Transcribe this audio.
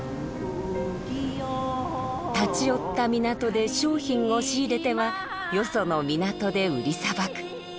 立ち寄った港で商品を仕入れてはよその港で売りさばく。